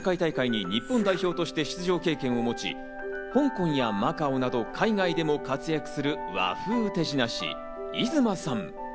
マジック世界大会に日本代表として出場した経験を持ち、香港やマカオなど海外でも活躍する和風手品師・ｉｚｕｍａさん。